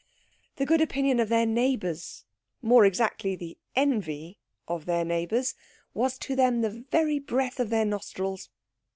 The good opinion of their neighbours more exactly, the envy of their neighbours was to them the very breath of their nostrils.